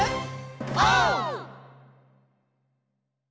オー！